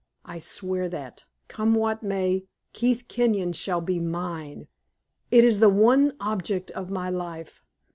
I swear that, come what may, Keith Kenyon shall be mine! It is the one object of my life.